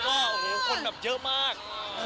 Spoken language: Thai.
ก็คือโอ้โหคนแบบเยอะมาก